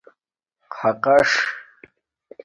خَقَسک